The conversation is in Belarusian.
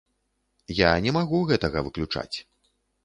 Я не магу гэтага выключаць.